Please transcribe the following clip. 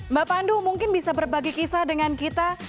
mbak pandu mungkin bisa berbagi kisah dengan kita